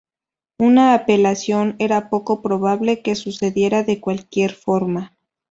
Una apelación era poco probable que sucediera de cualquier forma.